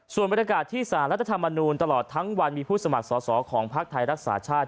ส่วนบรรยากาศที่สารรัฐธรรมนูลตลอดทั้งวันมีผู้สมัครสอสอของภักดิ์ไทยรักษาชาติ